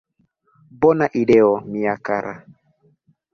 Bona ideo, mia kara!